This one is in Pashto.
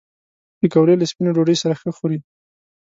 پکورې له سپینې ډوډۍ سره ښه خوري